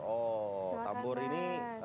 oh tambur ini